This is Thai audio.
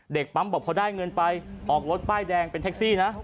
เด็กปั๊มบอกพอได้เงินไปออกรถป้ายแดงเป็นแท็กซี่นะ